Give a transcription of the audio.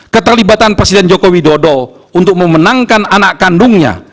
keterlibatan presiden joko widodo untuk memenangkan anak kandungnya